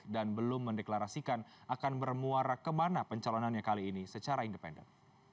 dan belum mendeklarasikan akan bermuara kemana pencalonannya kali ini secara independen